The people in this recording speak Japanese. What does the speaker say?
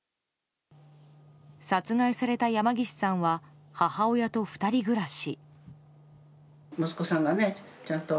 殺害された山岸さんは母親と２人暮らし。